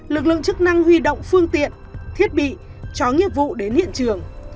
lực lượng chức năng huy động phương tiện thiết bị chó nghiệp vụ đến hiện trường